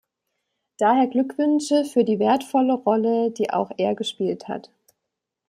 Daher Glückwünsche für die wertvolle Rolle, die auch er gespielt hat.